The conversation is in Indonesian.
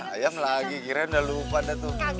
ayam lagi kirain udah lupa